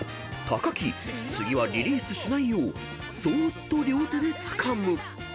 ［木次はリリースしないようそーっと両手でつかむ］